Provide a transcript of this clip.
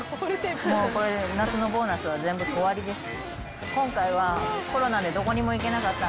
もうこれで夏のボーナスは全部終わりです。